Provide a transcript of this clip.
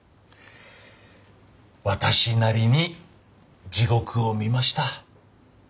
私なりに地獄を見ました。